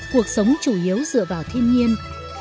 cuộc sống chủ yếu dựa vào thiên nhiên